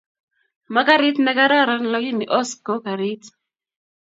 Makarit ne kararan lakin os ko karit